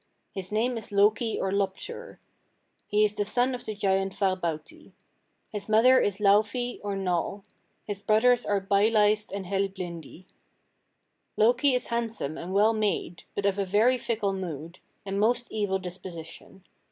His name is Loki or Loptur. He is the son of the giant Farbauti. His mother is Laufey or Nal; his brothers are Byleist and Helblindi. Loki is handsome and well made, but of a very fickle mood, and most evil disposition.